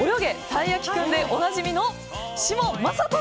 たいやきくん」でおなじみの子